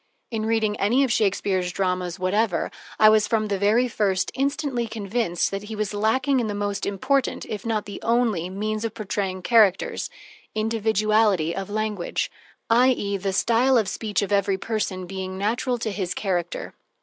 In reading any of Shakespeare's dramas whatever, I was, from the very first, instantly convinced that he was lacking in the most important, if not the only, means of portraying characters: individuality of language, i.e., the style of speech of every person being natural to his character.